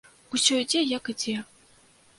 Усё ідзе, як ідзе.